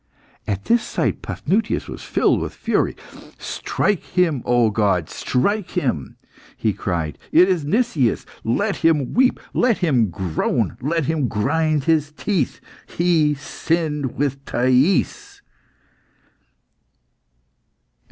At this sight Paphnutius was filled with fury. "Strike him, O God! strike him!" he cried. "It is Nicias! Let him weep! let him groan! let him grind his teeth! He sinned with Thais!"